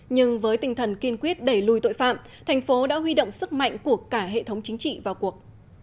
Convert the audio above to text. nhưng với tinh thần kiên quyết đẩy lùi tội phạm thành phố đã huy động sức mạnh của cả hệ thống chính trị vào cuộc